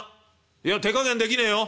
「いや手加減できねえよ」。